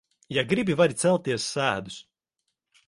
Ja gribi, vari celties sēdus.